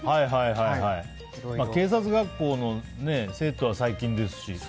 警察学校の生徒は最近ですし。